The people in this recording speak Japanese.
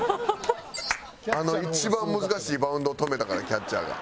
あの一番難しいバウンドを止めたからキャッチャーが。